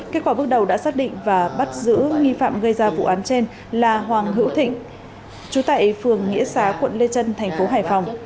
kết quả bước đầu đã xác định và bắt giữ nghi phạm gây ra vụ án trên là hoàng hữu thịnh chú tại phường nghĩa xá quận lê trân thành phố hải phòng